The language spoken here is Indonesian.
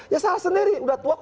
ya salah sendiri